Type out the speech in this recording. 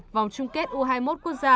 vòng chung kết u hai mươi một quốc gia